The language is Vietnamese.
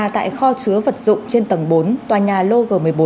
tại kho chứa vật dụng trên tầng bốn tòa nhà lô một mươi bốn